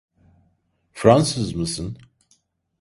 Fransız mısın?